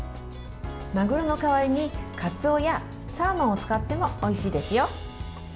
マグロの代わりにかつおやサーモンを使ってもおいしいですよ。